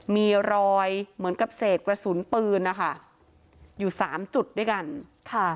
มีรอยเหมือนกับเศษกระสุนปืนอยู่๓จุดด้วยกัน